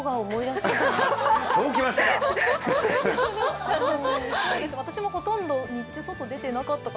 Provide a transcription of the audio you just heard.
そう、きましたか！